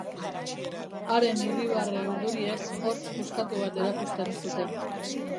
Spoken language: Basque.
Haren irribarre urduriek hortz puskatu bat erakusten zuten.